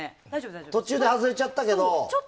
途中で外れちゃったけど。